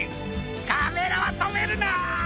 カメラはとめるな！